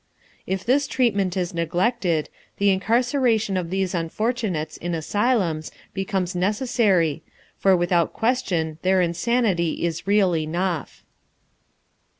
If this treatment is neglected, the incarceration of these unfortunates in asylums becomes necessary, for without question their insanity is real enough.